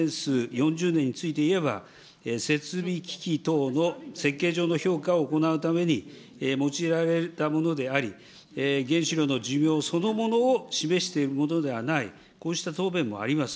４０年については設備機器等の設計上の評価を行うために用いられたものであり、原子炉の寿命そのものを示しているものではない、こうした答弁もあります。